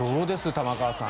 玉川さん。